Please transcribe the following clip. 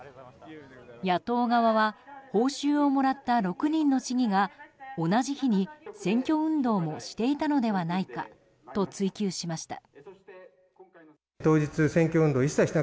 野党側は報酬をもらった６人の市議が同じ日に選挙運動もしていたのではないかと追及しました。